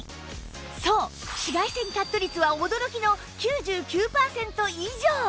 そう紫外線カット率は驚きの９９パーセント以上！